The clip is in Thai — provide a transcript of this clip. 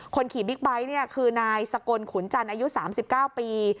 ขี่บิ๊กไบท์คือนายสกลขุนจันทร์อายุ๓๙ปี